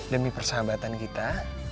demi persahabatan kita